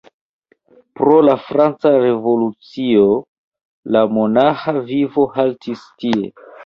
Pro la franca revolucio, la monaĥa vivo haltis tie.